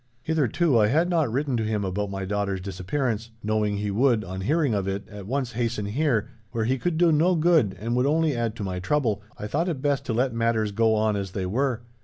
"Hitherto, I had not written to him about my daughter's disappearance. Knowing he would, on hearing of it, at once hasten here, where he could do no good and would only add to my trouble, I thought it best to let matters go on as they were.